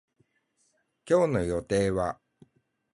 今日の予定は